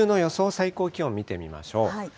最高気温見てみましょう。